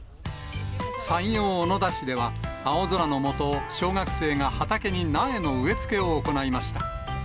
山陽小野田市では、青空の下、小学生が畑に苗の植え付けを行いました。